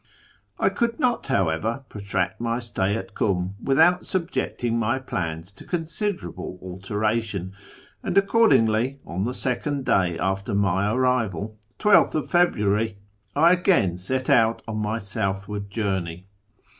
I could not, however, protract my stay at Kum without subjecting my plans to considerable alteration; and accordingly, on the second day after my arrival (12th February) I again set out on my southward journey.